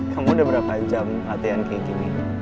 kamu udah berapa jam latihan kayak gini